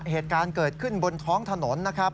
เหตุการณ์เกิดขึ้นบนท้องถนนนะครับ